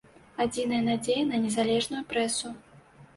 Адзіная надзея на незалежную прэсу.